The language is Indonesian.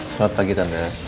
selamat pagi tanda